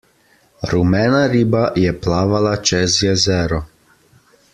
Rumena riba je plavala čez jezero.